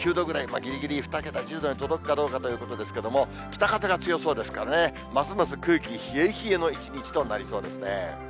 ぎりぎり２桁、１０度に届くかどうかというところですけれども、北風が強そうですからね、ますます空気冷え冷えの一日となりそうですね。